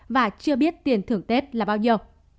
và chưa biết tiền thưởng tết là bao nhiêu